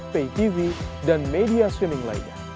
pay tv dan media switning lainnya